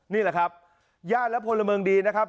นี่แหละครับญาติและพลเมืองดีนะครับ